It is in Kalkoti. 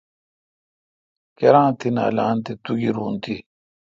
کیر تی نالان تے تو گیرو تی۔